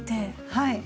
はい。